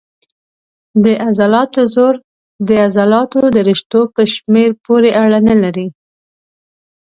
د عضلاتو زور د عضلاتو د رشتو په شمېر پورې اړه نه لري.